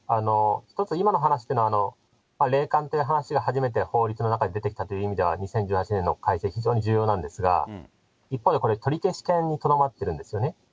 ちょっと今の話っていうのは、霊感っていう話が初めて法律の中に出てきたという意味では２０１８年の改正、非常に重要なんですが、一方でこれ取消権にとどまってるんですね。